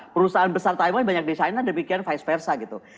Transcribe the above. perusahaan besar taiwan yang banyak di china demikian vice versa gitu